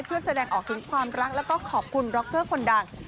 เพื่อแสดงออกถึงความรักแล้วก็ขอบคุณร็อกเกอร์คนดัง